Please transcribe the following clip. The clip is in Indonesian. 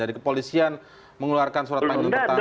jadi kepolisian mengeluarkan surat panggilan pertama kedua ketiga